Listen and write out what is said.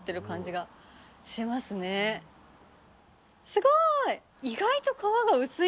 すごい！